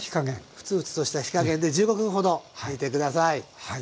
フツフツとした火加減で１５分ほど煮て下さい。